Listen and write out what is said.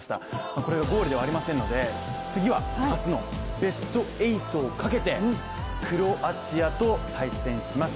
これがゴールではありませんので次は初のベスト８をかけてクロアチアと対戦します。